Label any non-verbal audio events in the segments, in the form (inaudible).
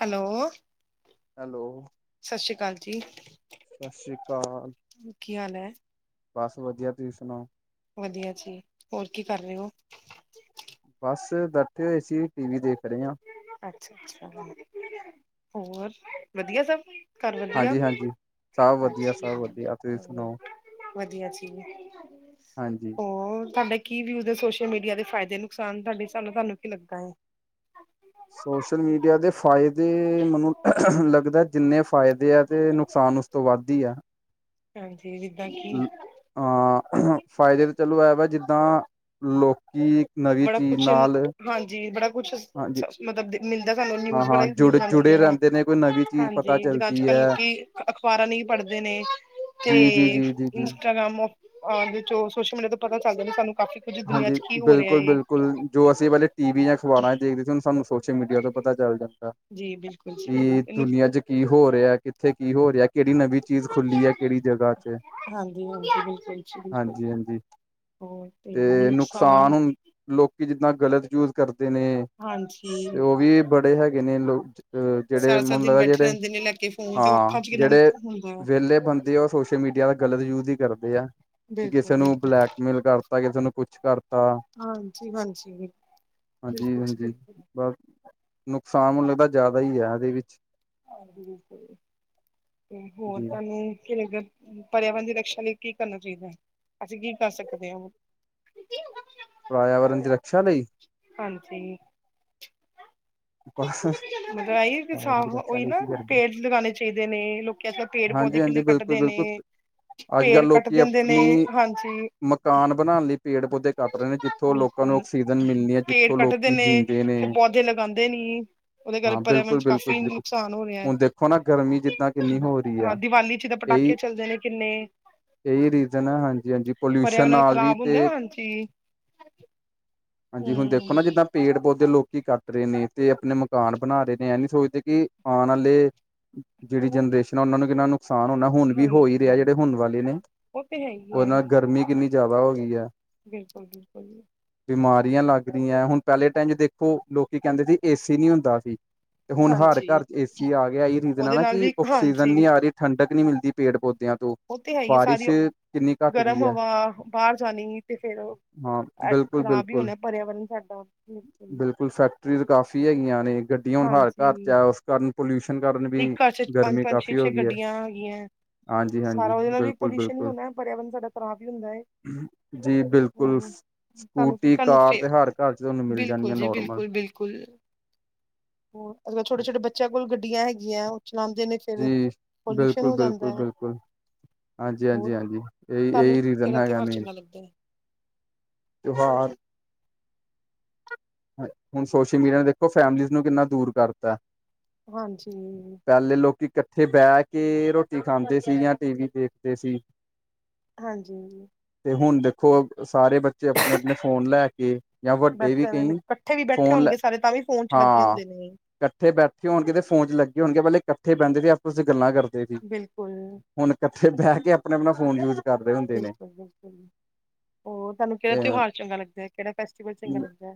Hello hello ਸਤਿ ਸ਼੍ਰੀ ਅਕਾਲ ਜੀ ਸਤਿ ਸ਼੍ਰੀ ਅਕਾਲ ਕੀ ਹਾਲ ਹੈ ਬਸ ਵਧੀਆ ਤੁਸੀਂ ਸੁਣਾਓ ਵਧੀਆ ਜੀ ਹੋਰ ਕੀ ਕਰ ਰਹੇ ਹੋ ਬਸ ਬੈਠੇ ਹੋਏ ਅਸੀ ਟੀ ਵੀ ਦੇਖ ਰਹੇ ਹਾਂ ਅੱਛਾ ਅੱਛਾ ਹੋਰ ਵਧੀਆ ਸਭ ਘਰ ਵਧੀਆ ਹਾਂਜੀ ਹਾਂਜੀ ਸਭ ਵਧੀਆ ਸਭ ਵਧੀਆ ਤੁਸੀਂ ਸੁਣਾਓ ਵਧੀਆ ਜੀ ਹਾਂਜੀ ਹੋਰ ਤੁਹਾਡੇ ਕੀ ਵੀ ਉਸਦੇ ਸੋਸ਼ਲ ਮੀਡੀਆ ਦੇ ਫਾਇਦੇ ਨੁਕਸਾਨ ਤੁਹਾਡੇ ਹਿਸਾਬ ਨਾਲ ਤੁਹਾਨੂੰ ਕੀ ਲੱਗਦਾ ਹੈ ਸੋਸ਼ਲ ਮੀਡੀਆ ਦੇ ਫਾਇਦੇ ਮੈਨੂੰ ਲੱਗਦਾ ਜਿੰਨੇ ਫ਼ਾਇਦੇ ਆ ਤੇ ਨੁਕਸਾਨ ਉਸ ਤੋਂ ਵੱਧ ਹੀ ਆ ਹਾਂਜੀ ਜਿੱਦਾਂ ਕੀ ਹਾ ਫਾਇਦੇ ਤਾਂ ਚਲੋ ਐ ਵਾ ਜਿੱਦਾਂ ਲੋਕੀ ਨਵੀਂ ਬੜਾ ਚੀਜ਼ ਕੁਛ ਨਾਲ ਹਾਂਜੀ, ਬੜਾ ਕੁਛ ਹਾਂਜੀ ਮਤਲਬ ਮਿਲਦਾ ਸਾਨੂੰ ਹਾਂ ਨਿਊਜ ਵਗੇਰਾ ਹਾਂ ਵੀ ਮਿਲ ਜੁੜ ਜੁੜੇ ਜਾਂਦੀਆਂ ਰਹਿੰਦੇ ਨੇ ਕੋਈ ਨਵੀਂ ਚੀਜ਼ ਹਾਂਜੀ ਪਤਾ ਜਿਦਾ ਅੱਜ ਚੱਲਦੀ ਕਲ ਹੈ ਲੋਕੀ ਅਖ਼ਬਾਰਾਂ ਲਈ ਪੜ੍ਹਦੇ ਨੇ ਤੇ ਜੀ ਜੀ ਜੀ ਜੀ ਜੀ ਇੰਸਟਾਗ੍ਰਾਮ ਅਹੋਂ ਸੋਸ਼ਲ ਮੀਡੀਆ ਤੋਂ ਪਤਾ ਚੱਲ ਜਾਂਦਾ ਸਾਨੂੰ ਕਾਫੀ ਕੁੱਝ ਦੁਨੀਆਂ ਚ ਕੀ ਹੋ ਰਿਅ ਬਿਲਕੁਲ ਬਿਲਕੁਲ ਜੋ ਅਸੀਂ ਪਹਿਲੇ ਟੀ ਵੀ ਅਖ਼ਬਾਰਾਂ ਚ ਦੇਖਦੇ ਸੀ ਉਹ ਸਾਨੂੰ ਸੋਸ਼ਲ ਮੀਡੀਆ ਤੋਂ ਪਤਾ ਚੱਲ ਜਾਂਦਾ ਜੀ ਬਿਲਕੁਲ ਜੀ ਕਿ ਇਹਨੂੰ ਦੁਨੀਆਂ 'ਚ ਕੀ ਹੋ ਰਿਹਾ ਕਿੱਥੇ ਕੀ ਹੋ ਰਿਹਾ ਕਿਹੜੀ ਨਵੀਂ ਚੀਜ਼ ਖੁੱਲੀ ਹੈ ਕਿਹੜੀ ਜਗ੍ਹਾ ਚ ਹਾਂਜੀ ਹਾਂਜੀ ਬਿਲਕੁਲ ਜੀ ਬਿਲਕੁਲ ਹਾਂਜੀ ਹਾਂਜੀ ਤੇ ਨੁਕਸਾਨ ਹੁਣ ਲੋਕੀ ਜਿੱਦਾਂ ਗਲਤ ਯੂਜ ਕਰਦੇ ਨੇ ਹਾਂਜੀ ਤੇ ਉਹ ਵੀ ਬੜੇ ਹੈਗੇ ਨੇ ਲੋਕ ਜਿਹੜੇ ਸਾਰਾ ਸਾਰਾ ਮੈਨੂੰ ਦਿਨ ਲੱਗਦਾ ਬੈਠੇ ਜਿਹੜੇ ਰਹਿੰਦੇ ਨੇ ਲੈ ਕੇ ਫੋਨ ਤੇ ਉਹ ਹਾਂ ਅੱਖਾਂ ਚ ਕਿੰਨਾ ਜਿਹੜੇ ਹੁੰਦਾ ਹੈ। ਵਿਹਲੇ ਬੰਦੇ ਉਹ ਸੋਸ਼ਲ ਮੀਡੀਆ ਦਾ ਗਲਤ ਯੂਜ ਹੀ ਕਰਦੇ ਆ ਕਿ ਬਿਲਕੁਲ ਕਿਸੇ ਨੂੰ ਬਿਲਕੁਲ ਬਲੈਕਮੇਲ ਕਰਤਾ ਕਿਸੇ ਨੂੰ ਕੁਛ ਕਰਤਾ ਤਾਂ ਹਾਂਜੀ ਹਾਂਜੀ ਹਾਂਜੀ ਬਿਲਕੁਲ ਜੀ ਹਾਂਜੀ ਬਿਲਕੁਲ ਬਸ ਨੁਕਸਾਨਨ ਮੇਨੂੰ ਲੱਗਦਾ ਜ਼ਿਆਦਾ ਹੀ ਹੈ ਇਹਦੇ ਵਿੱਚ ਹਾ ਬਿਲਕੁੱਲ ਜੀ, ਤੇ ਹੋਰ ਜੀ ਤੁਹਾਨੂੰ ਕਿਵੇਂ ਫੇਰ ਪਰਿਆਵਰਨ ਦੀ ਰਕਸ਼ਾ ਲਈ ਕੀ ਕਰਨਾ ਚਾਹੀਦਾ ਹੈ ਅਸੀਂ ਕੀ ਕਰ ਸਕਦੇ ਹਾਂ ਉਹ ਪਰਿਆਵਰਨ ਦੀ ਰੱਕਸਾ ਲਈ ਹਾਂਜੀ ਪੈਰ ਮਤਲਬ ਆਈ ਵੀ ਸਾਫ ਦੀ ਰਕਸ਼ਾ ਉਹੀ ਲਈ ਨਾ ਕੀ ਕਰਦੇ ਪੇੜ ਲਗਾਉਣੇ ਚਾਹੀਦੇ ਨੇ ਲੋਕੀ ਅੱਜ ਕੱਲ੍ਹ ਪੇੜ ਪੌਦੇ ਹਾਂਜੀ ਹਾਂਜੀ ਕਿੰਨੇ ਬਿਲਕੁਲ ਕੱਢਦੇ ਬਿਲਕੁਲ ਨੇ, ਅੱਜ ਪੇੜ ਕੱਲ੍ਹ ਕੱਟ ਲੋਕੀ ਦਿੰਦੇ ਨੇ ਆਪਣੀ ਹਾਂਜੀ ਮਕਾਨ ਬਣਾਉਣ ਲਈ ਪੇੜ ਪੌਦੇ ਕੱਟ ਰਹੇ ਨੇ ਜਿੱਥੋਂ ਲੋਕਾਂ ਨੂੰ ਬਿਲਕੁਲ ਆਕਸੀਜਨ ਹਮ ਮਿਲਣੀ ਹੈ ਪੇੜ ਜਿੱਥੋਂ ਕੱਟਦੇ ਲੋਕੀ ਨੇ ਜੀਂਦੇ ਤੇ ਪੌਦੇ ਲਗਾਉਂਦੇ ਨੀ ਉਹਦੇ ਹਾਂ ਕਰਕੇ ਪਰਿਆਵਰਨ ਬਿਲਕੁਲ ਚ ਬਿਲਕੁਲ ਕਾਫੀ ਬਿਲਕੁਲ ਨੁਕਸਾਨ ਹੋ ਰਿਹਾ ਹੈ ਹੁਣ ਦੇਖੋ ਨਾ ਗਰਮੀ ਜਿੱਦਾਂ ਜੀ ਕਿੰਨੀ ਹੋ ਰਹੀ ਹਾਂ ਆ ਦੀਵਾਲੀ ਚ ਤਾਂ ਇਹੀ ਪਟਾਕੇ ਚੱਲਦੇ ਨੇ ਕਿੰਨੇ, ਇਹੀ ਰੀਜ਼ਨ ਹੈ ਹਾਂਜੀ ਹਾਂਜੀ ਪੋਲਿਊਸ਼ਨ ਨਾਲ ਵੀ ਤੇ, ਜੀ। ਹਾਂਜੀ ਹੁਣ ਦੇਖੋ ਨਾ ਜਿੱਦਾਂ ਹਮ ਪੇੜ ਪੌਦੇ ਲੋਕੀ ਕੱਟ ਰਹੇ ਨੇ ਤੇ ਆਪਣੇ ਮਕਾਨ ਬਣਾ ਰਹੇ ਨੇ ਇਹ ਨੀ ਸੋਚਦੇ ਕਿ ਆਉਣ ਵਾਲੇ ਜਿਹੜੀ ਜਨਰੇਸ਼ਨ ਉਹਨਾਂ ਨੂੰ ਕਿੰਨਾ ਨੁਕਸਾਨ ਹੋਣਾ ਹੁਣ ਵੀ ਹੋ ਹੀ ਰਿਹਾ ਹਾਂਜੀ ਜਿਹੜੇ ਹੁਣ ਵਾਲੇ ਨੇ ਉਹ ਤੇ ਹੈ ਹੀ ਉਹਦੇ ਹੈ ਨਾਲ ਗਰਮੀ ਕਿੰਨੀ ਜ਼ਿਆਦਾ ਹੋ ਗਈ ਹੈ, ਬਿਲਕੁਲ ਬਿਲਕੁਲ ਜ ਬਿਮਾਰੀਆਂ ਲੱਗ ਹੁਣ ਪਹਿਲੇ ਟਾਈਮ ਚ ਦੇਖੋ ਲੋਕੀ ਕਹਿੰਦੇ ਸੀ ਏਸੀ ਨੀ ਹੁੰਦਾ ਸੀ। ਤੇ ਹੁਣ ਹਰ ਹਾਂਜੀ ਘਰ ਚ ਏਸੀ ਆ ਗਿਆ ਇਹ ਰੀਜ਼ਨ ਆ ਉਹਦੇ ਨਾ ਨਾਲ ਕਿ, ਵੀ ਆਕਸੀਜਨ ਹਾਂਜੀ ਨਹੀਂ ਆ ਰਹੀ ਠੰਡਕ ਨੀ ਮਿਲਦੀ ਪੇੜ ਪੌਦਿਆਂ ਤੋਂ, ਉਹ ਤੇ ਹੈਗੀ ਸਾਰੀ ਬਾਰਿਸ਼ ਕਿੰਨੀ ਘੱਟ ਗਰਮ ਗਈ ਹੈ ਹਵਾ ਬਾਹਰ ਜਾਣੀ ਤੇ ਫਰ ਹਾਂ ਬਿਲਕੁਲ ਖ਼ਰਾਬ ਹੀ ਬਿਲਕੁਲ ਹੋਣਾ ਪਰਿਆਵਰਨ ਸਾਡਾ ਨ ਕੋਲ ਫੈਕਟਰੀਜ਼ ਕਾਫੀ ਹੈਗੀਆਂ ਨੇ ਗੱਡੀਆਂ ਹੁਣ ਹਰ ਹਾਂਜੀ ਘਰ 'ਚ ਹੈ ਉਸ ਕਾਰਨ, ਪੋਲਿਊਸ਼ਨ ਕਾਰਨ ਵੀ ਗਰਮੀ ਅੱਛੇ ਕਾਫ਼ੀ ਹੋ ਅੱਛੇ ਗਈ ਹੈ ਗੱਡੀਆਂ ਹੈਗੀਆਂ ਹਾਂਜੀ ਹਾਂਜੀ ਸਾਰਾ ਉਹਦੇ ਨਾਲ ਵੀ ਬਿਲਕੁਲ ਪੋਲਿਊਸ਼ਨ ਹੀ ਬਿਲਕੁਲ ਹੋਣਾ ਪਰਿਆਵਰਨ ਸਾਡਾ ਖਰਾਬ ਹੀ ਹੁੰਦਾ ਹੈ। ਜੀ ਬਿਲਕੁਲ ਹੂੰ ਤੁਹਾਨੂੰ ਕੀ ਸਕੂਟੀ ਤੁਹਾਨੂੰ ਕਾਰ ਫੇਰ ਤੇ ਹਰ ਘਰ ਚ ਤੁਹਾਨੂੰ ਮਿਲ ਜਾਣੀ ਬਿਲਕੁਲ ਹੈ ਜੀ ਨੋਰਮਲ, ਬਿਲਕੁਲ ਬਿਲਕੁਲ ਹੋਰ ਅੱਜ ਕੱਲ ਛੋਟੇ ਛੋਟੇ ਬੱਚਿਆਂ ਕੋਲ ਗੱਡੀਆਂ ਹੈਗੀਆਂ ਉਹ ਚਲਾਉਂਦੇ ਨੇ, ਫਿਰ ਜੀ ਪੋਲਿਊਸ਼ਨ ਬਿਲਕੁਲ ਹੋ ਬਿਲਕੁਲ ਜਾਂਦਾ ਹੈ‌। ਬਿਲਕੁਲ ਹਾਂਜੀ ਹੋਰ ਹਾਂਜੀ ਹਾਂਜੀ ਇਹੀ ਤੁਹਾਨੂੰ ਇਹੀ ਰੀਜ਼ਨ ਕਿਹੜਾ ਹੈਗਾ ਤਿਉਹਾਰ ਮੇਨ ਚੰਗਾ ਲੱਗਦਾ ਹੈ। ਤਿਉਹਾਰ ਹੁਣ ਸੋਸ਼ਲ ਮੀਡੀਆ ਨੇ ਦੇਖੋ ਫੈਮਲੀਜ਼ ਨੂੰ ਕਿੰਨਾ ਦੂਰ ਕਰਤਾ ਹਾਂਜੀ, ਪਹਿਲੇ ਲੋਕੀ ਇਕੱਠੇ ਬਹਿ ਕੇ ਰੋਟੀ ਖਾਂਦੇ ਸੀ ਜਾਂ ਟੀ ਵੀ ਦੇਖਦੇ ਸੀ। ਹਾਂਜੀ ਹਾਂ ਤੇ ਹੁਣ ਦੇਖੋ ਸਾਰੇ ਬੱਚੇ ਆਪਣੇ ਆਪਣੇ ਫੋਨ ਲੈ ਕੇ ਜਾਂ ਵੱਡੇ ਵੀ ਕਈ, ਇੱਥੇ ਵੀ ਬੈਠੇ ਫੋਨ ਲੈ ਹੋਣਗੇ ਸਾਰੇ ਤਾਂ ਵੀ ਫੋਨ ਚ ਲੱਗੇ ਹਾਂ ਹੁੰਦੇ ਨੇ, ਇਕੱਠੇ ਬੈਠੇ ਹੋਣਗੇ ਫੋਨ ਚ ਲਗੇ ਹੋਣਗੇ ਪਹਿਲੇ ਇਕੱਠੇ ਬਹਿੰਦੇ ਸੀ ਆਪ ਤੁਸੀਂ ਗੱਲਾਂ ਕਰਦੇ। ਸੀ ਬਿਲਕੁਲ ਹੁਣ ਇਕੱਠੇ ਬਹਿ ਕੇ ਆਪਣਾ ਆਪਣਾ ਫੋਨ ਯੂਜ, ਕਰਦੇ ਹੁੰਦੇ ਨੇ ਬਿਲਕੁਲ ਬਿਲਕੁਲ ਉਹ ਤੁਹਾਨੂੰ ਕਿਹੜਾ ਤਿਉਹਾਰ ਚੰਗਾ ਲੱਗਦਾ ਕਿਹੜਾ ਫੈਸਟੀਵਲ ਚੰਗਾ ਲੱਗਦਾ।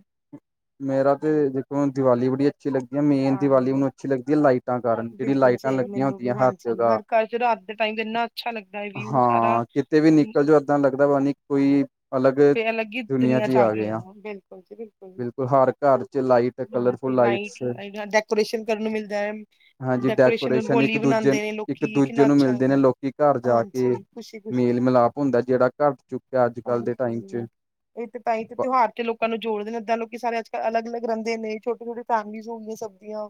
ਮੇਰਾ ਤੇ ਦੇਖੋ ਦਿਵਾਲੀ ਬੜੀ ਅੱਛੀ ਅੱਛੀ ਲੱਗਦੀ ਹੈ ਮੇਨ ਦੀਵਾਲੀ ਹਾਂਜੀ ਮਨੂੰ ਅੱਛੀ ਲੱਦੀ ਹੈ ਲਾਈਟਾਂ ਕਾਰ ਜਿਹੜੀਆਂ ਬਿਲਕੁਲ ਜੀ ਲਾਈਟਾਂ ਲੱਗ ਮੈਨੂੰ ਵੀ ਹੁੰਦੀਆਂ ਹਰ ਹਾਂਜੀ ਜਗਾ ਘਰ ਰਾਤ ਦੇ ਟਾਈਮ ਇੰਨਾ ਅੱਛਾ ਲੱਗਦਾ ਹੈ ਵੀਊ ਸਾਰਾ। ਹਾਂ ਕਿਤੇ ਵੀ ਨਿਕਲ ਜਾਓ ਇਦਾਂ ਲੱਗਦਾ ਵਾ ਨੀ ਕੋਈ, ਅਲੱਗ ਅਲੱਗ ਹੀ ਦੁਨੀਆਂ ਚ ਆ ਗਈਆਂ ਵਾਂ ਬਿਲਕੁਲ ਜੀ ਬਿਲਕੁਲ, ਹਰ ਘਰ ਚ ਲਾਈਟ ਹਾਂਜੀ ਕਲਰਫੁਲ ਲਾਈਟ ਲਾਈਟਸ ਲ ਡੈਕੋਰੇਸ਼ਨ ਕਰਨ ਨੂੰ ਮਿਲਦਾ ਹੈ। ਹਾਂਜੀ ਡੈਕੋਰੇਸ਼ਨ ਇੱਕ ਰੰਗੋਲੀ ਦੂਜੇ ਬਣਾਉਂਦੇ ਨੇ ਇੱਕ ਲੋਕੀ ਦੂਜੇ ਕਿੰਨਾ ਨੂੰ ਅੱਛਾ ਮਿਲਦੇ ਨੇ ਲੱਗਦਾ ਲੋਕੀ ਘਰ ਜਾ ਕੇ ਹਾਂਜੀ ਖੁਸ਼ੀ ਖੁਸ਼ੀ ਮੇਲ ਮਿਲਾਪ ਹੁੰਦਾ ਜਿਹੜਾ ਘੱਟ ਚੁੱਕਿਆ ਜੀ ਹਾਂਜੀ ਇਹ ਤੇ ਤਾਂ ਹੀ ਤੇ ਤਿਉਹਾਰ ਤੇ ਲੋਕ ਨੂੰ ਜੋੜਦੇ ਇਦਾਂ ਲੋਕ ਸਾਰੇ ਅਜ ਕਲ ਅਲੱਗ਼ ਅਲੱਗ ਰਹਿੰਦੇ ਨੇ ਛੋੇ ਛੋਟੇ, ਫੈਮਿਲੀਜ ਹੋ ਗਈਆਂ ਸਭ ਦੀਆਂ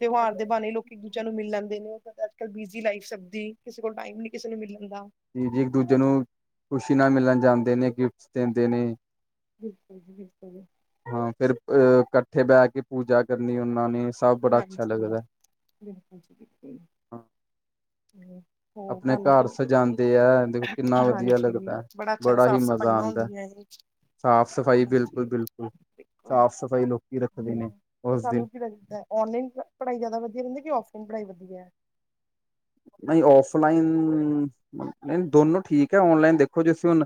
ਤਿਉਹਾਰ ਦੇ ਬਾਰੇ ਇੱਕ ਦੂਜੇ ਨੂੰ ਮਿਲਣ ਦੇ ਲੋਕ ਅੱਜ ਕੱਲ ਬਿਜ਼ੀ ਲਾਈਫ ਸਭਦੀ ਕਿਸੇ ਕੋਲ ਟਾਈਮ ਨੀ ਕਿਸੇ ਨੂੰ ਮਿਲਣਦਾ ਜੀ ਇੱਕ ਦੂਜੇ ਨੂੰ ਖੁਸ਼ੀ ਨਾ ਮਿਲਣ ਜਾਂਦੇ ਨੇ ਗਿਫਟ ਦਿੰਦੇ ਨੇ ਬਿਲਕੁਲ ਜੀ ਬਿਲਕੁਲ ਜੀ ਹਾਂ ਫੇਿਰ ਅਹ ਇਕੱਠੇ ਬਹਿ ਕੇ ਪੂਜਾ ਕਰਨੀ ਉਹਨਾਂ ਨੇ ਸਭ ਬੜਾ ਅੱਛਾ ਹਾਂਜੀ ਲੱਗਦਾ ਬਿਲਕੁਲ ਜੀ ਬਿਲਕੁਲ ਹੋਰ ਆਪਣੇ ਤੁਹਾਨੂੰ ਘਰ ਕੀ ਸਜਾਦੇ ਤੇ ਹੈ ਦੇਖੋ ਕਿੰਨਾ ਵਧੀਆ ਹਾਂਜੀ ਲੱਗਦਾ ਅੱਛਾ ਬੜਾ ਹੀ ਸਾਫ਼ ਮਜ਼ਾ ਸਫਾਈਆਂ ਆਉਂਦਾ ਹੁੰਦੀਆਂ ਇਹ ਸਾਫ਼ ਸਫ਼ਾਈ ਬਿਲਕੁਲ ਹਾਂਜੀ ਬਿਲਕੁਲ ਸਾਫ਼ ਸਫ਼ਾਈ ਨੁ ਤੁਹਾਨੂੰ ਕੀ ਲੱਗਦਾ ਔਨਲਾਈਨ ਪੜ੍ਹਾਈ ਜ਼ਿਆਦਾ ਵਧੀਆ ਰਹਿੰਦੀ ਕਿ ਔਫਲਾਈਨ ਪੜ੍ਹਾਈ ਵਧੀਆ ਹੈ ਨਹੀਂ ਔਫਲਾਈਨ ਨਹੀਂ ਦੋਨੋ ਠੀਕ ਹੈ ਔਨਲਾਈਨ ਦੇਖੋ ਜੇਸੀਂ ਹੁਣ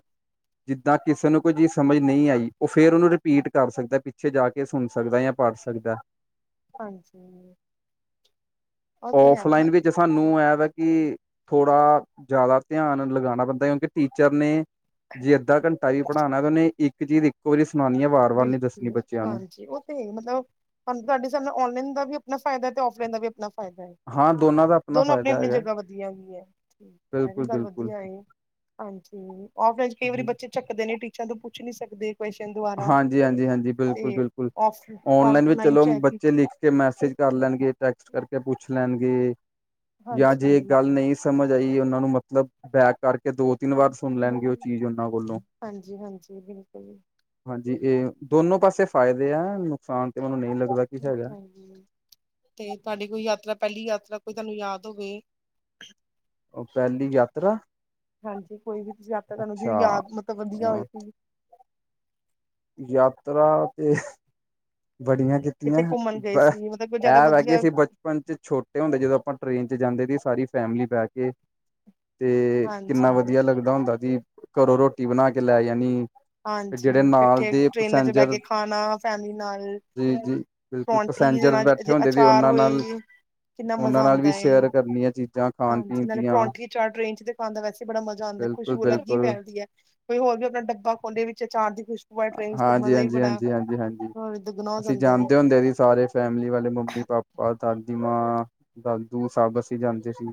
ਜਿੱਦਾਂ ਕਿਸੇ ਨੂੰ ਕੋਈ ਚੀਜ਼ ਸਮਝ ਨਹੀਂ ਆਈ ਉਹ ਫੇਰ ਉਹਨੂੰ ਰਿਪੀਟ ਕਰ ਸਕਦਾ ਪਿੱਛੇ ਜਾ ਕੇ, ਕੇ ਸੁਣ ਸਕਦਾ ਜਾਂ ਪੜ੍ਹ ਸਕਦਾ। ਹਾਂਜੀ ਉਹ ਤੇ ਹੈ ਔਫਲਾਈਨ ਵਿੱਚ ਸਾਨੂੰ ਨੂੰ ਇਹ ਵਾ ਕਿ ਥੋੜਾ ਜ਼ਿਆਦਾ ਧਿਆਨ ਲਗਾਉਣਾ ਪੈਂਦਾ ਕਿਉਂਕਿ ਟੀਚਰ ਨੇ ਜੇ ਅੱਧਾ ਘੰਟਾ ਵੀ ਪੜ੍ਹਾਉਣਾ ਤੇ ਉਹਨੇ ਇੱਕ ਚੀਜ਼ ਇੱਕੋ ਵਾਰੀ ਸੁਣਾਉਣੀ ਹੈ ਵਾਰ ਵਾਰ ਨੀ ਦੱਸਣੀ ਬਿਲਕੁਲ ਬੱਚਿਆਂ ਨੂੰ ਹਾਂਜੀ ਉਹ ਤੇ ਮਤਲਬੂੰ ਤੁਹਾਡੀ ਸਾਨੂੰ ਔਨਲਾਈਨ ਦਾ ਵੀ ਆਪਣਾ ਫਾਇਦਾ ਤੇ ਔਫਲਾਈਨ ਦਾ ਵੀ ਆਪਣਾ ਫਾਇਦਾ ਹੈ ਹਾਂ ਦੋਨਾਂ ਦਾ ਆਪਣਾ ਦੋਨੋ ਆਪਣੀ ਫ਼ਾਇਦਾ ਆਪਣੀ ਹੈਗਾ ਜਗ੍ਹਾ ਵਧੀਆ ਗਈਆਂ ਇਹ ਵੀ ਬਿਲਕੁਲ ਗੱਲ ਬਿਲਕੁਲ ਵਧੀਆ ਏ ਹਾਂਜੀ ਔਫਲਾਈਨ ਚ ਕਈ ਵਾਰੀ ਜੀ ਬੱਚੇ ਚੱਕਦੇ ਨੇ ਟੀਚਰਾ ਤੋਂ ਪੁੱਛ ਨੀ ਸਕਦੇ ਕੁਸ਼ਸ਼ਨ ਹਾਂਜੀ ਹਾਂਜੀ ਬਿਲਕੁਲ ਬਿਲਕੁਲ ਔਨਲਾਈਨ ਵੀ ਚਲੋ ਚ ਹੈ ਕਿ ਬੱਚੇ ਲਿਖ ਕੇ ਮੈਸੇਜ ਕਰ ਹਾਂਜੀ ਲੈਣਗੇ ਟੈਕਸਟ ਕਰਕੇ ਪੁੱਛ ਲੈਣਗੇ ਜਾਂ ਜੇ ਹਾਂਜੀ ਗੱਲ ਨਹੀਂ ਸਮਝ ਆਈ ਉਹਨਾਂ ਨੂੰ ਮਤਲਬ ਬੈਕ ਕਰਕੇ ਦੋ ਤਿੰਨ ਵਾਰ ਸੁਣ ਲੈਣਗੇ ਉਹ ਚੀਜ਼ ਉਹਨਾਂ ਕੋਲੋਂ ਹਾਂਜੀ ਹਾਂਜੀ ਬਿਲਕੁਲ ਹਾਂਜੀ ਇਹ ਦੋਨੋ ਪਾਸੇ ਫਾਇਦੇ ਆ ਨੁਕਸਾਨ ਤੇ ਮੈਨੂੰ ਨਹੀਂ ਲੱਗਦਾ ਕਿ ਹੈਗਾ ਤੇ ਤੁਹਾਡੀ ਕੋਈ ਯਾਤਰਾ ਪਹਿਲੀ ਯਾਤਰਾ ਕੋਈ ਤੁਹਾਨੂੰ ਯਾਦ ਹੋਵੇ ਉਹ ਪਹਿਲੀ ਯਾਤਰਾ ਹਾਂਜੀ ਕੋਈ ਵੀ ਤੁਸੀਂ ਆਪ ਤੁਹਾਨੂੰ ਜਿਹੜੀ ਅੱਛਾ ਯਾਦ ਮਤਲਬ ਵਧੀਆ ਅ ਹੋਏ ਕੋ ਯਾਤਰਾ ਤੇ ਬੜੀਆਂ ਕੀਤੀ ਕਿਤੇ ਘੁੰਮਣ ਗਏ ਬ ਸੀ ਮਤਲਬ ਕੋਈ ਜ਼ਿਆਦਾ ਇਹ ਵ ਕਿ ਵਧੀਆ ਅਸੀਂ ਬ ਪ ਚ ਛੋਟੇ ਹੁੰਦੇ ਜਦੋਂ ਆਪਾਂ ਟ੍ਰੇਨ ਚ ਜਾਂਦੇ ਸੀ ਸਾਰੀ ਫੈਮਿਲੀ ਬੈ ਕੇ ਤੇ ਹਾਂਜੀ ਕਿੰਨਾ ਵਧੀਆ ਲੱਗਦਾ ਹੁੰਦਾ ਸੀ ਘਰੋਂ ਰੋਟੀ ਬਣਾ ਕੇ ਲੈ ਜਾਾਨੀ ਹਾਂਜੀ ਇਕੱਠੇ ਟ੍ਰੇਨਾਂ ਚ ਬਹਿ ਕੇ ਖਾਣਾ ਫੈਮਲੀ ਨਾਲ ਜੀ ਜੀ ਬਿਲਕੁਲ ਪਰੋਂਠੀ ਪੈਸੈਂਜਰ ਜ ਬੈਠੇ ਜੇ ਹੁੰਦੇ ਸੀ ਅਚਾਰ ਉਹਨਾਂ ਹੋਏ ਨਾਲ ਕਿੰਨਾ ਮਜ਼ਾ ਆਉਂਦਾ ਕਰਨੀ ਹੈ ਚੀਜ਼ਾਂ ਖਾਣ ਹਾਂਜੀ ਪੀਣ ਨਾਲੇ ਦੀਆਂ ਪਰੌਂਠੇ ਚਾਰ ਟਰੇਨ ਚ ਖਾਂਦਾ ਵੈਸੇ ਬੜਾ ਮਜ਼ਾ ਆਉਂਦਾ ਬਿਲਕੁਲ ਖੁਸ਼ਬੂ ਅੱਗ ਹੀ ਬਿਲਕੁਲ ਫੈਲਦੀ ਹੈ ਕੋਈ ਹੋਰ ਵੀ ਆਪਣਾ ਡੱਬਾ ਖਦੇ ਵਿੱਚ ਅਚਾਰ ਦੀ ਖੁਸ਼ ਹਾਂਜੀ ਹਾਂਜੀ ਹਾਂਜੀ ਹਾਂਜੀ ਹਾਂਜੀ ਹੋਰ ਦੁੱਗਣਾ ਹੋ ਅਸੀਂ ਜਾਂਦਾ ਹੈ ਜਾਂਦੇ ਹੁੰਦੇ ਸੀ ਸਾਰੇ ਫੈਮਲੀ ਵਾਲੇ ਮੰਮੀ ਪਾਪਾ ਪਰ ਦਾਦੀ ਮਾਂ ਦਾਦੂ ਸਭ ਅਸੀਂ ਜਾਂਦੇ ਸੀ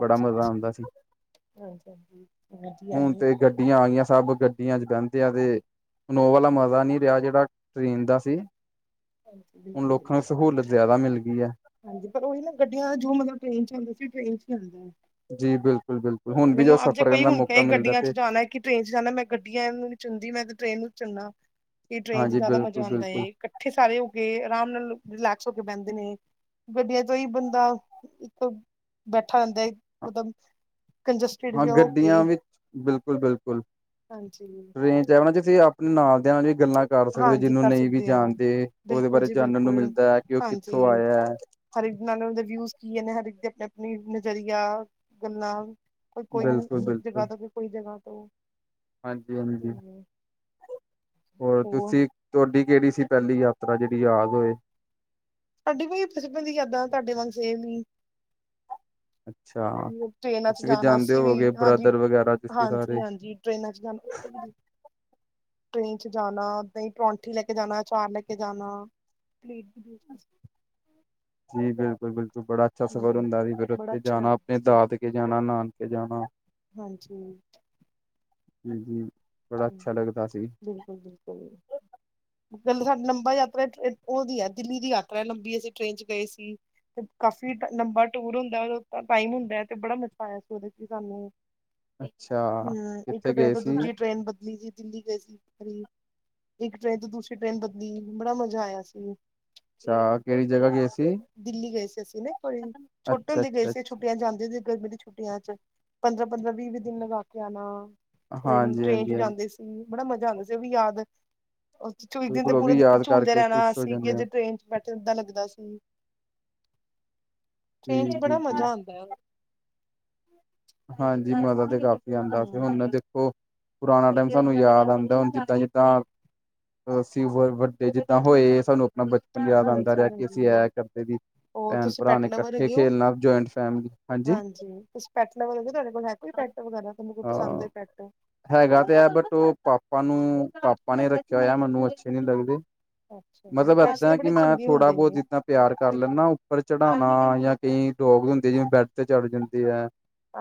ਬੜਾ ਅੱਛਾ ਮਜ਼ਾ ਅੱਛਾ ਆਉਂਦਾ ਸੀ ਹਾਂਜੀ ਹਾਂਜੀ ਆਈ ਆਂ ਸਭ ਗੱ ਅ ਬਹਿੰਦੇ ਆ ਤੇ ਇਨੋਵਾ ਵਾਲਾ ਮਜ਼ਾ ਨਹੀਂ ਰਿਹਾ ਜਿਹੜਾ ਟਰੈਨ ਦਾ ਸੀ ਹਾਂਜੀ ਹੁਣ ਬਿਲਕੁਲ ਬਿਲਕੁਲ ਲੋਕਾਂ ਨੂੰ ਸਹੂਲਤ ਜ਼ਿਆਦਾ ਮਿਲ ਗਈ ਹੈ ਹਾਂਜੀ ਪਰ ਉਹੀ ਨਾ ਗੱਡੀਆਂ ਦਾ ਜੋ ਮਤਲਬ ਟ੍ਰੇਨ ਚ ਆਂਦਾ ਸੀ ਉਹ ਟ੍ਰੇਨ ਚ ਹੀ ਆਉਂਦਾ ਹੈ ਜੀ ਬਿਲਕੁ ਬਿਲਕੁਲ ਹੁਣ ਵੀ ਜੋ ਮੈਨੂੰ ਆਪੱ ਸਫ਼ਰ ਜੇ ਕੋਈ ਕਰਨ ਦਾ ਹੁਣ ਕ ਮੌਕਾ ਮਿਲਦਾ ਗੱਡੀਆਂ ਤੇ ਚ ਜਾਣਾ ਕਿ ਟ੍ਰੇਨ ਚ ਜਾਣਾ ਮੈਂ ਗੱਡੀਆਂ ਨੂੰ ਨ ਚੁੰਦੀ ਮੈਂ ਟ੍ਰੇਨ ਨੂੰ ਚੁਨਾ ਕਿ ਟ੍ਰੇਨ ਚ ਹਾਂਜੀ ਜ਼ਿਆਦਾ ਮਜ਼ਾ ਬਿਲਕੁਲ ਆਉਂਦਾ ਬਿਲਕੁਲ ਹੈਏ ਇਕੱਠੇ ਸਾਰੇ ਹੋ ਕੇ ਆਰਾਮ ਨਾਲ ਰਿਲੈਕਸ ਹੋ ਕੇ ਬਹਿੰਦੇ ਨੇ ਗੱਡੀਆਂ ਤੋਂ ਹੀ ਬੰਦਾ ਇੱਕ ਬੈਠਾ ਰਹਿੰਦਾ ਹੈ ਮਤਲਬ ਕੰਜਸਟਿਡ ਹਾਂ ਜਿਹਾ ਹੋ ਕੇ ਗੱਡੀਆਂ ਵਿੱਚ ਬਿਲਕੁਲ ਬਿਲਕੁਲ ਹਾਂਜੀ। ਟ੍ਰੈਨ ਤੇਰਾ ਨਾਂ ਜਚੀ ਆਪਣੇ ਨਾਲ ਦਿਯਾਂ ਦੀ ਗੱਲਾਂ ਕਰ ਸਕਦੇ ਹੋ ਹਾਂਜੀ ਜਿਹਨੂੰ ਕਰ ਨਹੀਂ ਵੀ ਸਕਦੇ ਹਾਂ ਜਾਣਦੇ ਉਹਦੇ ਬਿਲਕੁਲ ਬਾਰੇ ਜੀ ਜਾਣਨ ਨੂੰ ਬਿਲਕੁਲ। ਮਿਲਦਾ ਹੈ ਕਿ ਉਹ ਹਾਂਜੀ ਕਿੱਥੋਂ ਆਇਆ ਹੈ ਹਰ ਇੱਕ ਨਾਲ ਉਹ ਦੇ ਵਿਊ ਕੀ ਨੇ ਹਰ ਇੱਕ ਦੇ ਆਪਣੇ ਆਪਣੇ ਨਜ਼ਰੀਆ ਗੱਲਾਂ ਕੋ ਕੋਈ ਬਿਲਕੁਲ ਜਗ੍ਹਾ ਤੋਂ ਕੋਈ ਜਗ੍ਹਾ ਤੋਂ ਹਾਂਜੀ-ਹਾਂਜੀ ਹੂੰ ਹੋਰ ਤੁਸੀਂ ਤੁਹਾਡੀ ਕਿਹੜੀ ਸੀ ਪਹਿਲੀ ਯਾਤਰਾ ਜਿਹੜੀ ਯਾਦ ਹੋਏ ਤੁਹਾਡੀ ਵ ਦੀ ਯਾਦਾਂ ਤੁਹਾਡੇ ਵਾਗ ਸੇਮ ਈ ਅੱਛਾ ਉਹ ਟ੍ਰੇਨਾਂ ਚ ਤੁਸੀਂ ਵੀ ਜਾਣਾ ਜਾਣਦੇ ਅਸੀਂ ਵੀ ਹੋਵੋਗੇ ਬ੍ਰਦਰ ਵਗੈਰਾ ਤੁਸੀਂ ਸਾਰੇ ਹਾਂਜੀ-ਹਾਂਜੀ-ਹਾਂਜੀ ਟ੍ਰੇਨਾਂ ਚ ਜਾਣਾ ਸਕੂਲ ਵੀ ਟ੍ਰੇਨ ਚ ਜਾਣਾ ਦਹੀਂ ਪਰੋਂਠੀ ਲੈਕੇ ਜਾਣਾ ਆਚਾਰ ਲੈਕੇ ਜਾਣਾ ਹਮ ਜੀ ਬਿਲਕੁਲ ਬਿਲਕੁਲ ਬੜਾ ਅੱਛਾ ਸਫ਼ਰ ਹੁੰਦਾ ਸੀ ਫਿਰ ਬੜਾ ਉੱਥੇ ਅੱਛਾ ਜਾਣਾ ਲੱਗਦਾ ਆਪਣੇ ਸੀ ਦਾਦ ਕੇ ਜਾਣਾ ਨਾਨਕੇ ਜਾਣਾ ਹਾਂਜੀ ਹਾਂਜੀ ਬੜਾ ਅੱਛਾ ਲੱਗਦਾ ਸੀ ਬਿਲਕੁਲ-ਬਿਲਕਲ ਹ ਗਲ ਸਾਡੀ ਲੰਬਾ ਯਾਤਰਾ ਉਹਦੀ ਹੈ ਦਿੱਲੀ ਦੀ ਯਾਤਰਾ ਲੰਬੀ ਅਸੀਂ ਟ੍ਰੇਨ ਚ ਗਏ ਸੀ ਤੇ ਕਾਫੀ ਲੰਬਾ ਟੂਰ ਹੁੰਦਾ ਉਹਦੇ ਟਾਈਮ ਹੁੰਦਾ ਹੈ ਤੇ ਬੜਾ ਮਜ਼ਾ ਆਇਆ ਸੀ ਉਹਦੇ ਚ ਸਾਨੂੰ ਅੱਛਾ ਹਮ ਇੱਕ ਕਿੱਥੇ ਟ੍ਰੇਨ ਗਏ ਤੋਂ ਸੀ ਦੂਜੀ ਟ੍ਰੇਨ ਬਦਲੀ ਸੀ ਦਿੱਲੀ ਗਏ ਸੀ ਇੱਕ ਟ੍ਰਰੇਨ ਤੋਂ ਦੂਸਰੀ ਟ੍ਰੇਨ ਬਦਲੀ ਬੜਾ ਮਜ਼ਾ ਆਇਆ ਸੀ ਅੱਛਾ, ਕਿਹੜੀ ਜਗਾ ਗਏ ਸੀ? ਦਿੱਲੀ ਗਏ ਸੀ, ਅਸੀਂ ਨਾ ਇਕ ਵਾਰੀ ਛੋਟੇ ਅੱਛਾ ਹੁੰਦੇ ਗਏ ਅੱਛਾ ਅੱਛਾ, ਸੀ ਛੁੱਟੀਆਂ, ਚ ਜਾਂਦੇ ਸੀ। ਗਰਮੀ ਦੀ ਛੁਟੱ ਛੁੱਟੀਆਂ ਚ ਪੰਦਰਾਂ-ਪੰਦਰਾਂ ਵੀਹ-ਵੀਹ ਦਿਨ ਲਗਾ ਕੇ ਆਣਾ ਟ੍ਰੇਨ ਟ੍ਰੇਨ ਚ ਹਾਂਜੀ-ਹਾਂਜੀ-ਹਾਂਜੀ ਜਾਂਦੇ ਸੀ ਬੜਾ ਮਜ਼ਾ ਆਉਂਦਾ ਸੀ ਉਹ ਵੀ ਯਾਦ ਉਹ ਚ ਦਿਨ ਤੇ ਬਿਲਕੁਲ ਉਹ ਪੂਰਾ ਵੀ ਦਿਨ ਯਾਦ ਝੂਲਦੇ ਕਰਕੇ ਰਹਿਣਾ ਖੁਸ਼ ਹੋ ਸੀ ਜਾਂਦੇ ਆ ਕਿਜੇ ਟ੍ਰੇਨ ਬੈਠੇ ਓਦਾਂ ਲੱਗਦਾ ਸੀ ਜੀ ਟ੍ਰੇਨ ਚ ਜੀ ਬੜਾ ਜੀ ਮਜ਼ਾ ਆਉਂਦਾ ਹੈ ਹਾਂਜੀ ਮਜ਼ਾ ਤੇ ਕਾਫ਼ੀ ਆਉਂਦਾ ਸੀ ਹੂੰ ਹੁਣ ਦੇਖੋ ਪੁਰਾਣਾ ਟਾਈਮ ਸਾਨੂੰ ਯਾਦ ਆਉਂਦਾ ਹੁਣ ਜਿੱਦਾਂ-ਜਿੱਦਾਂ ਅਸੀਂ ਵੱਡੇ ਜਿੱਦਾਂ ਹੋਏ ਸਾਨੂੰ ਆਪਣਾ ਬਚਪਨ ਯਾਦ ਆਉਂਦਾ ਰਿਹਾ ਹਾਂਜੀ ਕਿ ਹਾਂਜੀ ਅਸੀਂ ਐ ਕਰਦੇ ਵੀ ਹੋਰ ਭੈਣ ਤੁਸੀਂ ਭਰਾ ਨੇ ਪੈਟ ਲਵਰ ਇਕੱਠੇ ਹੈਗੇ ਹੋ ਖੇਲਣਾ ਜੁਆਇੰਟ ਫੈਮਲੀ ਹਾਂਜੀ ਪੈਟ ਲਗ ਤੁਹਾਡੇ ਕੋਲ ਹੈਗਾਈੈਟ ਵਗੈਰਾ ਤੁਹਾਨੂੰ ਕੁ ਹਾਂ ਪਸੰਦ ਹੈ ਪੈਟ ਹੈਗਾ ਤੇ ਹੈ, ਬਟ ਉਹ ਪਾਪਾ ਨੂੰ ਪਾਪਾ ਨੇ ਰੱਖਿਆ ਨੇ ਹੋਇਆ, ਮੈਨੂੰ ਅੱਛੇ ਨੀ ਲੱਗਦੇ ਅੱਛਾ ਮਤਲਬ, ਪੈਟਸ ਤੇ ਇੱਦਾਂ ਕਿ ਬੜੇ ਮੈਂ ਚੰਗੇ ਥੋੜਾ ਹੁੰਦੇ ਬਹੁਤ ਨੇ ਜਿਤਨਾ ਪਿਆਰ ਕਰ ਲੈਦਾ, ਉੱਪਰ ਚੜਾਉਣਾ ਜਾਂ ਕਈ ਟੋਗ ਹੁੰਦੇ, ਜਿਵੇਂ ਬੈਡ ਤੇ ਚੜ ਜਾਂਦੇ ਹੈ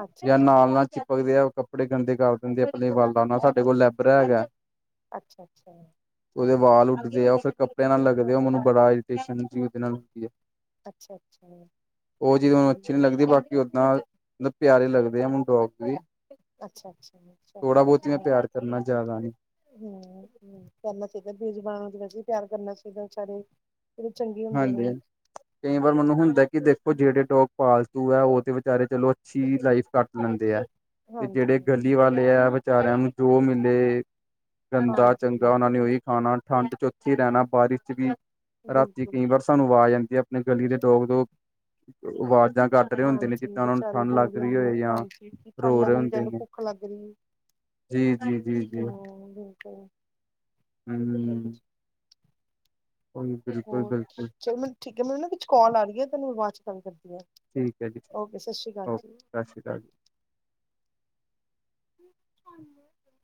ਅੱਛਾ ਜਾਂ ਅੱਛਾ ਨਾਲ-ਨਾਲ ਚਿਪਕਦੇ, ਆ ਕੱਪੜੇ ਗੰਦੇ ਕਰ ਦਿੰਦੇ, ਆਪਣੇ ਵਲਦਾ, ਨਾਲ ਸਾਡੇ ਕੋਲ ਲੈਬਰਾ ਹੈਗਾ ਅੱਛਾ-ਅੱਛਾ ਉਹ, ਦੇ ਵਾਲ ਉੱਡਦੇ ਆ, ਫਿਰ ਕੱਪੜਿਆਂ ਨਾਲ ਲਗਦੇ ਆ, ਉਹ ਮੈਨੂੰ ਬੜਾ ਇਰੀਟੇਸ਼ਨ ਦੇ ਨਾਲ ਅੱਛਾ ਅੱਛਾ ਉਹ ਚੀਜ਼, ਮੈਨੂੰ ਠੀਕ ਅੱਛੀ ਨਈ ਲੱਗਦੀ, ਬਾਕੀ ਓਦਾਂ ਮਤਲਬ, ਪਿਆਰੇ ਲੱਗਦੇ ਆ ਮੈਨੁ ਡੋਗੀ। ਅੱਛਾ ਅੱਛਾ ਥੋੜਾ ਚਲੋ ਬਹੁਤ ਮੈਂ, ਪਿਆਰ ਕਰਨਾ ਜ਼ਿਆਦਾ ਨੀ ਹੂ ਕਰਨਾ ਚਾਹੀਦਾ, ਬੇ ਜੁਬਾਨ ਨੂ, ਵੈਸੇ ਵੀ ਪਿਆਰ ਕਰਨਾ ਚਾਹੀਦਾ। ਵੀਚਾਰੇ ਫੇਰ ਚੰਗੀ ਹਾਂਜੀ ਕਈ ਵਾਰ, ਮੈਨੂੰ ਹੁੰਦਾ ਕਿ ਦੇਖੋ ਜਿਹੜੇ ਡੋਗ ਪਾਲਤੂ ਹੈ। ਉਹ ਤੇ ਵਿਚਾਰੇ ਚਲੋ ਅੱਛੀ ਲਾਈਫ, ਕੱਟ ਲੈਂਦੇ ਹੈ ਤੇ ਹਾਂਜੀ ਜਿਹੜੇ ਗਲੀ ਵਾਲੇ ਹੈ, ਵਿਚਾਰਿਆਂ ਨੂੰ ਜੋ ਮਿਲੇ ਗੰਦਾ, ਚੰਗਾ, ਹਾਂਜੀ ਉਹਨਾ ਨੇ ਉਹੀ ਖਾਣਾ, ਠੰਡ ਚ ਉੱਥੇ ਰਹਿਣਾ ਬਾਰਿਸ਼ ਚ, ਵੀ ਰਾਤੀ ਬਿਲਕੁਲ ਕਈ ਵਾਰ ਸਾਨੂੰ, ਆਵਾਜ਼ ਆਉਦੀ ਹੈ, ਆਪਣੇ ਗਲੀ ਦੇ ਡੋਗ ਦੋ ਆਵਾਜ਼ਾਂ ਕੱਢ ਰਹੇ ਹੁੰਦੇ ਨੇ, ਹਾਂਜੀ ਜਿੱਦਾਂ ਉਹਨਾਂ ਨੂੰ ਵਿਚਾਰੇ ਠੰਢ, ਲੱਗ ਜ਼ਰੂਰੀ ਰਹੀ ਹੁੰਦੇ ਨੇ ਹੋਏ ਜਾਂ ਹਾਂਜੀ ਠੰਡ ਰੋ ਲੱਗ ਰਹੇ ਰਹੀ ਏ, ਜਾ ਹੁੰਦੇ ਏਨੂੰ, ਨੇ ਭੁੱਖ ਲੱਗ ਰਹੀ, ਏ ਜੀ, ਜੀ, ਜੀ, ਜੀ। ਬਿਲਕੁਲ ਆਦੇ ਨੇ ਓਹੀ ਹੋਰ, ਚਲ ਮੈਨੂੰ ਠੀਕ ਹੈ, ਮੈਨੂੰ ਨਾ ਪਿੱਛੇ ਕਾਲ ਆ ਰਹੀ ਹੈ, ਤੈਨੂੰ ਬਾਅਦ ਚ ਗੱਲ ਕਰਦੀ ਹਾਂ ਠੀਕ ਹੈ ਜੀ ਓਕੇ, ਸਤਿ ਸ਼੍ਰੀ ਅਕਾਲ ਓਕੇ ਜੀ। ਸਤਿ ਸ੍ਰੀ ਅਕਾਲ ਛਣ ਮ (inaudible)